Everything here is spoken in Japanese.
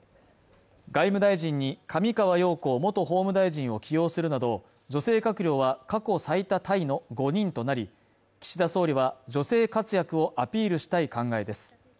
外務大臣に上川陽子元法務大臣を起用するなど女性閣僚は過去最多タイの５人となり岸田総理は女性活躍をアピールしたい考えです